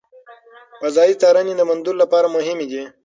فضایي څارنې د موندلو لپاره مهمې دي.